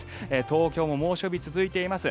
東京も猛暑日が続いています。